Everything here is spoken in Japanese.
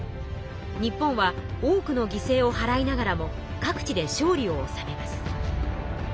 日本は多くの犠牲をはらいながらも各地で勝利をおさめます。